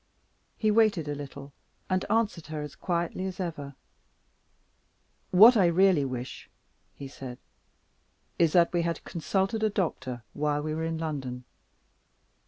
He waited a little, and answered her as quietly as ever. "What I really wish," he said, "is that we had consulted a doctor while we were in London.